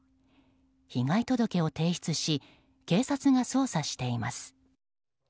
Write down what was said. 被害届を提出し警察が捜査しています。